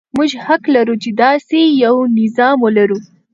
موږ حق لرو چې داسې یو نظام ولرو.